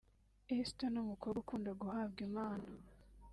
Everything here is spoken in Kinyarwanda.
Esther ni umukobwa ukunda guhabwa impano